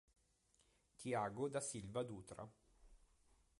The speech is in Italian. Tiago da Silva Dutra